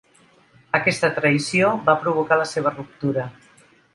Aquesta traïció va provocar la seva ruptura.